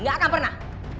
nggak akan pernah